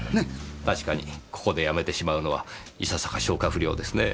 確かにここでやめてしまうのはいささか消化不良ですねぇ。